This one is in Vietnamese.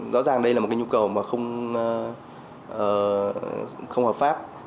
rõ ràng đây là một cái nhu cầu mà không hợp pháp